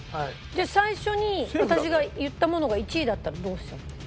最初に私が言ったものが１位だったらどうする？